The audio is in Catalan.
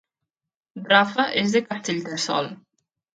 Rafa és de Castellterçol